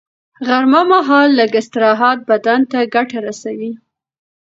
غرمه مهال لږ استراحت بدن ته ګټه رسوي